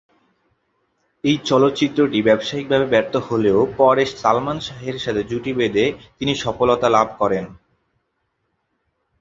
এই চলচ্চিত্রটি ব্যবসায়িকভাবে ব্যর্থ হলেও পরে সালমান শাহের সাথে জুটি বেধে তিনি সফলতা লাভ করেন।